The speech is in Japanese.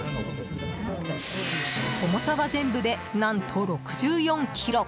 重さは全部で何と６４ｋｇ。